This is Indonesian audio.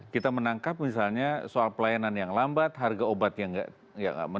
kita menangkap misalnya soal pelayanan yang lambat harga obat yang tidak mahal